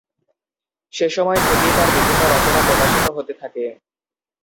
সেসময় থেকেই তার বিভিন্ন রচনা প্রকাশিত হতে থাকে।